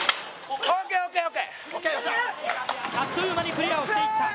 あっという間にクリアをしていった。